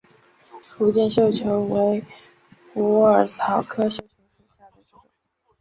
福建绣球为虎耳草科绣球属下的一个种。